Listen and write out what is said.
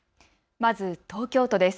まず東京都です。